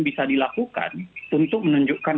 bisa dilakukan untuk menunjukkan